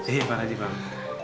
iya pak narji bang